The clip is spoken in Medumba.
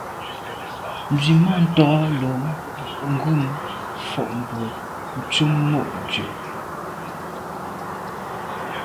Nzwimàntô lo ghom fotmbwe ntùm mo’ dù’.